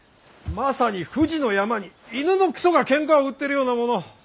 まさに富士山に犬のクソがケンカを売ってるようなもの。